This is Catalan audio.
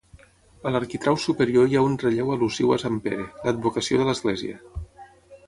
A l'arquitrau superior hi ha un relleu al·lusiu a Sant Pere, l'advocació de l'església.